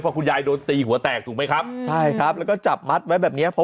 เพราะคุณยายโดนตีหัวแตกถูกไหมครับใช่ครับแล้วก็จับมัดไว้แบบเนี้ย